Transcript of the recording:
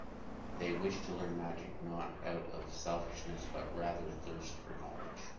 They wish to learn magic, not out of selfishness but rather thirst for knowledge.